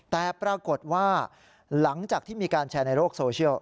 แต่ปรากฏว่าหลังจากที่มีการแชร์ในโลกโซเชียล